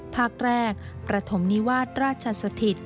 ภาคแรกประถมนิวาสราชสถิต